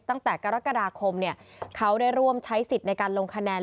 ตั้งแต่กรกฎาคมเขาได้ร่วมใช้สิทธิ์ในการลงคะแนน